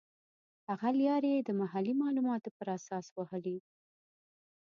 هغه لیارې یې د محلي معلوماتو پر اساس وهلې.